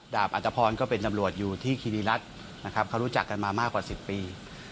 ดาบอัฐพรก็เป็นตำรวจอยู่ที่คินีรัฐเขารู้จักกันมามากกว่า๑๐ปี